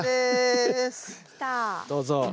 どうぞ。